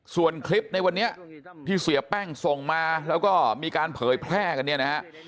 ส่วนคลิปในวันนี้ที่เสียแป้งส่งมาแล้วก็มีการเผยแพร่กันเนี่ยนะฮะ